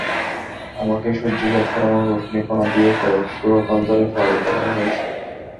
আমাকে সূর্যজাত পরমাণু রশ্মি কণা দিয়ে কয়েক সৌরকাল ধরে প্রভাবিত করা হয়েছে।